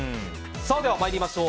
では、参りましょう。